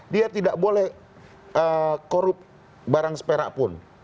dia tidak boleh korup barang seperak pun